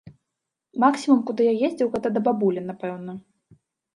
Максімум, куды я ездзіў, гэта да бабулі, напэўна.